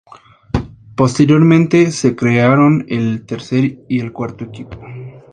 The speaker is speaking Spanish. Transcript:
Posteriormente se crearon el tercer y el cuarto equipo.